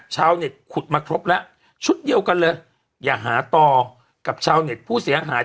ชาวเน็ตขุดมาครบแล้วชุดเดียวกันเลยอย่าหาต่อกับชาวเน็ตผู้เสียหาย